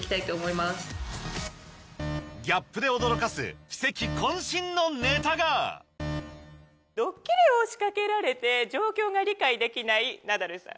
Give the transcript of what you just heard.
ギャップで驚かす奇跡渾身のドッキリを仕掛けられて状況が理解できないナダルさん。